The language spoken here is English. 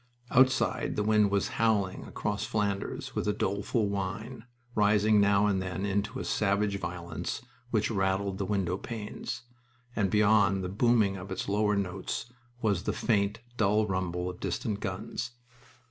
Outside the wind was howling across Flanders with a doleful whine, rising now and then into a savage violence which rattled the window panes, and beyond the booming of its lower notes was the faint, dull rumble of distant guns.